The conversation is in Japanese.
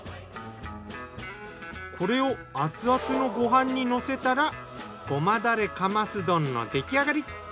これをアツアツのご飯にのせたらごまだれカマス丼の出来上がり。